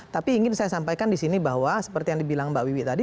tapi ingin saya sampaikan di sini bahwa seperti yang dibilang mbak wiwi tadi